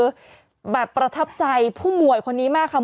คือแบบประทับใจผู้มวยคนนี้มากค่ะ